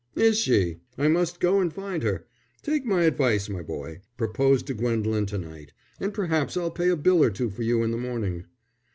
"Is she? I must go and find her. Take my advice, my boy; propose to Gwendolen to night, and perhaps I'll pay a bill or two for you in the morning."